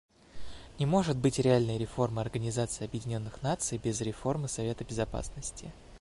Не может быть реальной реформы Организации Объединенных Наций без реформы Совета Безопасности.